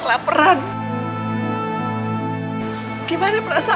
ada variasi macam apa di situ situ